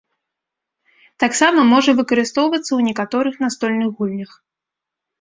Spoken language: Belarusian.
Таксама можа выкарыстоўвацца ў некаторых настольных гульнях.